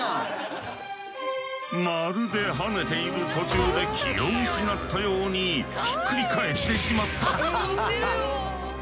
まるで跳ねている途中で気を失ったようにひっくり返ってしまった。